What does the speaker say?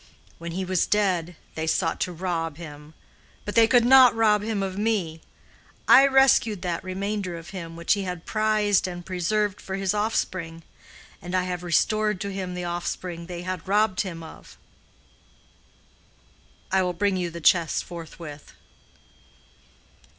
When he was dead, they sought to rob him; but they could not rob him of me. I rescued that remainder of him which he had prized and preserved for his offspring. And I have restored to him the offspring they had robbed him of. I will bring you the chest forthwith."